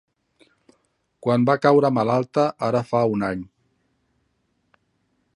...quan va caure malalta, ara fa un any.